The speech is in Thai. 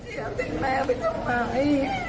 เจี๊ยบถึงแม่ไปทำไม